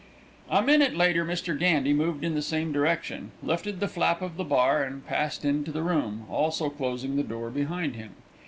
A minute later Mr. Gandy moved in the same direction, lifted the flap of the bar and passed into the room, also closing the door behind him.